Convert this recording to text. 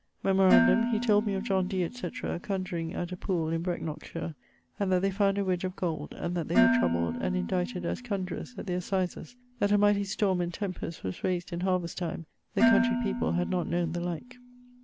Memorandum: he told me of John Dee, etc., conjuring at a poole[LVIII.] in Brecknockshire, and that they found a wedge of gold; and that they were troubled and indicted as conjurers at the assizes; that a mighty storme and tempest was raysed in harvest time, the countrey people had not knowen the like.